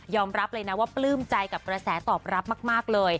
รับเลยนะว่าปลื้มใจกับกระแสตอบรับมากเลย